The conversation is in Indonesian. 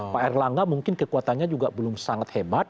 pak erlangga mungkin kekuatannya juga belum sangat hebat